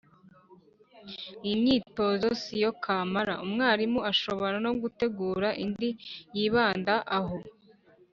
Iyi myitozo si yo kamara, umwarimu ashobora no gutegura indi yibanda aho